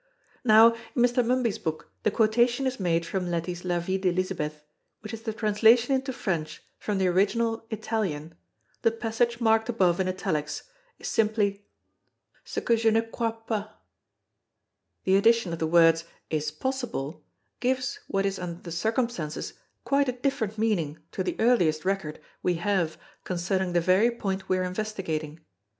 Now in Mr. Mumby's book the quotation is made from Leti's La Vie d'Elizabeth which is the translation into French from the original Italian, the passage marked above in italics is simply: "ce que je ne crois pas." The addition of the words "is possible" gives what is under the circumstances quite a different meaning to the earliest record we have concerning the very point we are investigating.